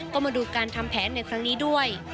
ก็มาดูการทำแผนในครั้งนี้ด้วย